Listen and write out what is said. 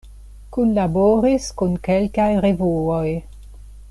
Kunlaboris kun kelkaj revuoj.